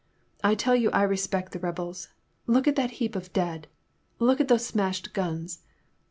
I tell you I respect the rebels. Look at that heap of dead ! Look at those smashed guns